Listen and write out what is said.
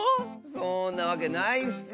そんなわけないッス！